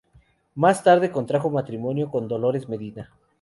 Más tarde contrajo matrimonio con Dolores Medina.